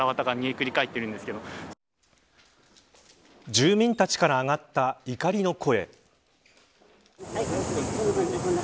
住民たちから上がった怒りの声。